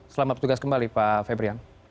selamat bertugas kembali pak febrian